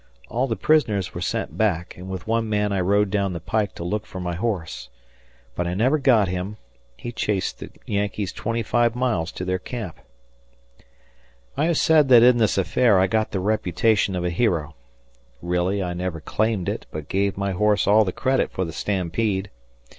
All the prisoners were sent back, and with one man I rode down the pike to look for my horse. But I never got him he chased the Yankees twenty five miles to their camp. I have said that in this affair I got the reputation of a hero; really I never claimed it, but gave my horse all the credit for the stampede.